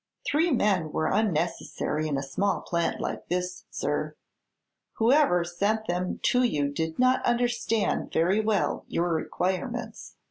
"Three men were unnecessary in a small plant like this, sir. Whoever sent them to you did not understand very well your requirements.